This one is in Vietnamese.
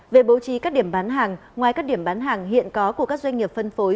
về bố trí các điểm bán hàng ngoài các điểm bán hàng hiện có của các doanh nghiệp phân phối